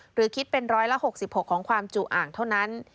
หรือคิดเป็นร้อยละ๖๖ของความจุอ่างเท่านั้น